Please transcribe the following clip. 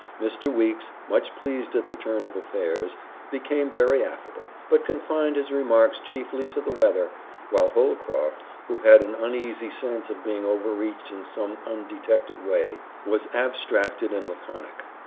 Mr. Weeks, much pleased at the turn of affairs, became very affable, but confined his remarks chiefly to the weather, while Holcroft, who had an uneasy sense of being overreached in some undetected way, was abstracted and laconic.